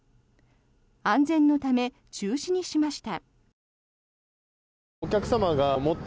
安全のため中止にしました。